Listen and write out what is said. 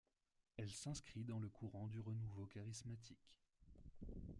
Elle s'inscrit dans le courant du renouveau charismatique.